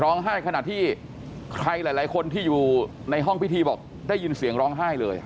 ขณะที่ใครหลายคนที่อยู่ในห้องพิธีบอกได้ยินเสียงร้องไห้เลย